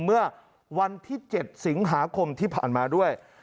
เมื่อวันที่๗สิงหาคมที่ผ่านมาด้วย